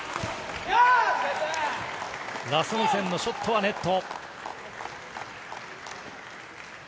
ラスムセンのショットはネット。